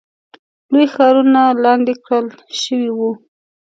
لوی ښارونه لاندې کړل شوي وو.